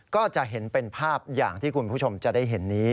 ก็จะเห็นเป็นภาพอย่างที่คุณผู้ชมจะได้เห็นนี้